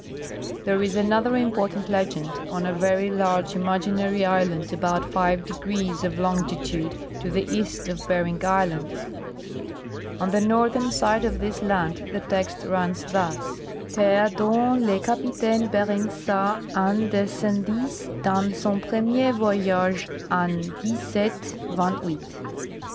There is another important legend on a very large imaginary island about five degrees of longitude to the east of Bering island. On the northern side of this land the text runs thus :'*' Terres dont le Capitaine Beering's h en des indices dans son premier voyages en 1728."